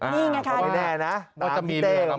มีแน่นะว่าจะมีเรือที่เขาด้วย